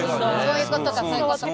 そういうことかそういうことか。